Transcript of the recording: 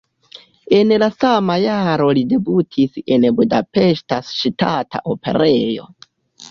En la sama jaro li debutis en Budapeŝta Ŝtata Operejo.